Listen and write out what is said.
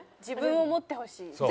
自分を持ってほしい。